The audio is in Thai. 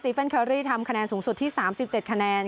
๙๒ต่อ๘๖คะแนน